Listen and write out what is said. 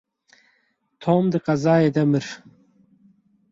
Tom di qezayê de mir.